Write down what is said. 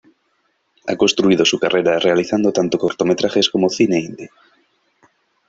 Ha construido su carrera realizando tanto cortometrajes como cine indie.